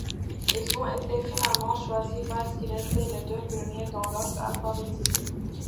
Ils ont été finalement choisis parce qu'ils étaient les deux premiers dans l'ordre alphabétique.